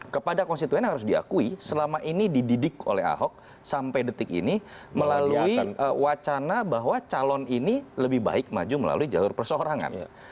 kepada konstituen yang harus diakui selama ini dididik oleh ahok sampai detik ini melalui wacana bahwa calon ini lebih baik maju melalui jalur perseorangan